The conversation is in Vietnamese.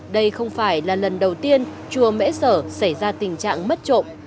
đây không phải là lần đầu tiên chùa mễ sở xảy ra tình trạng mất trộm